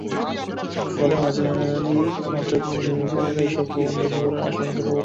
ফলে মাঝারি মাত্রার কোনো ভূমিকম্প হলে এসব ভবন ধসে পড়ার আশঙ্কা প্রবল।